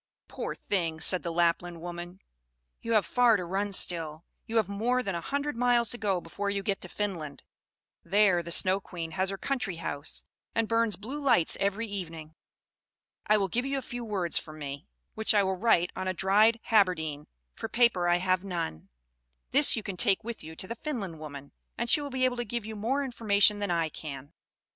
"Poor thing," said the Lapland woman, "you have far to run still. You have more than a hundred miles to go before you get to Finland; there the Snow Queen has her country house, and burns blue lights every evening. I will give you a few words from me, which I will write on a dried haberdine, for paper I have none; this you can take with you to the Finland woman, and she will be able to give you more information than I can."